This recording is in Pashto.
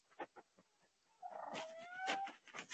د هایزنبرګر مایکروسکوپ فکري تجربه وه.